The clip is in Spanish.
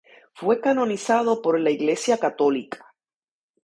Fue canonizado por la Iglesia católica.